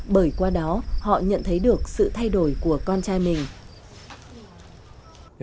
bởi qua đó họ nhận thấy được sự thay đổi của con trai mình